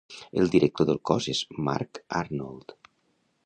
El director del cos és Mark Arnold.